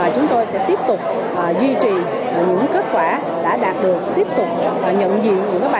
chúng tôi sẽ tiếp tục duy trì những kết quả đã đạt được tiếp tục nhận diện những bài